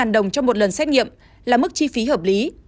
bảy mươi năm đồng cho một lần xét nghiệm là mức chi phí hợp lý